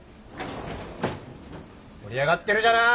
盛り上がってるじゃない！